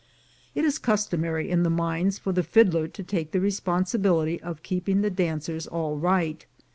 It is customary in the mines for the fiddler to take the responsibility of keeping the dancers all right.